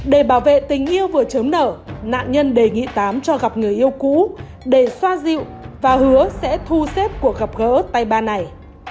để bảo vệ tình yêu vừa chống nợ nạn nhân đề nghị tám cho gặp người yêu cũ để xoa dịu và hứa sẽ thu xếp cuộc gặp gỡ tay ba này